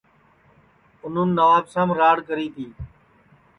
اُنون نوابشام راڑ کری تی